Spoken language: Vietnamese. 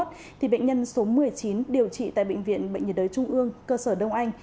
thì bệnh nhân số một mươi chín điều trị tại bệnh viện bệnh nhiệt đới trung ương cơ sở đông anh